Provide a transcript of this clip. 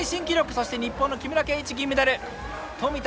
そして日本の木村敬一銀メダル富田